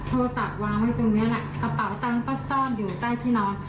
โทรศัพท์วางไว้ตรงนี้แหละกระเป๋าตังค์ก็ซ่อนอยู่ใต้ที่นอน